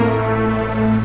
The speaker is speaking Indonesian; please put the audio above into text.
pernah naikkan sih erotik